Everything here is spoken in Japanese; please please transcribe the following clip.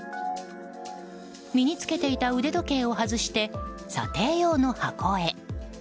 身に着けていた腕時計を外して査定用の箱へ。